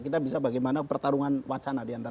kita bisa bagaimana pertarungan wacana diantara